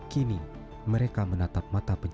jadi saya akan berhenti